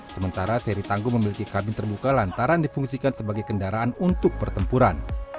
sementara seri tangguh memiliki kabin terbuka lantaran difungsikan sebagai kendaraan untuk pertempuran